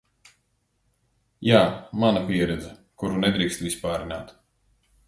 Jā, mana pieredze, kuru nedrīkst vispārināt